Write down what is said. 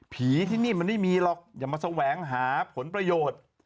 ที่นี่มันไม่มีหรอกอย่ามาแสวงหาผลประโยชน์